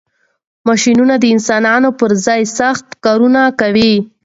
ماشینونه د انسانانو پر ځای سخت کارونه کوي.